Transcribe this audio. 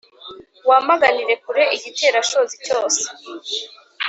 wamaganire kure igiterashozi cyose